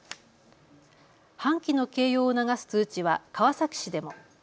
半旗の掲揚を促す通知は川崎市でも。